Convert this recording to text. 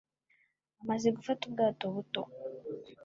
Amaze gufata ubwato buto